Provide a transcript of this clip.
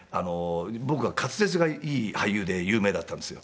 僕が滑舌がいい俳優で有名だったんですよ。